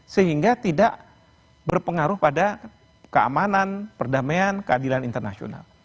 sehingga tidak berpengaruh pada keamanan perdamaian keadilan internasional